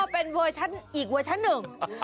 เป็นเวอร์ชันอีกเวอร์ชันหนึ่ง